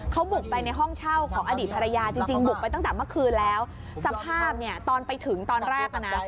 เขาบุกไปในห้องเช่าของอดีตภรรยาจริงจริงบุกไปตั้งแต่เมื่อคืนแล้วสภาพเนี่ยตอนไปถึงตอนแรกอ่ะนะ